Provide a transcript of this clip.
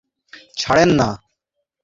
কোনো-একটি বিষয় শেষ না-দেখে তিনি ছাড়েন না।